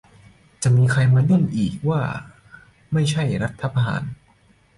จะมีใครมาดิ้นอีกว่าไม่ใช่รัฐประหาร